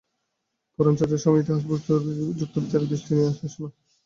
পুরাণ-চর্চার সময় ইতিহাস ও যুক্তিবিচারের দৃষ্টি নিয়ে এস না।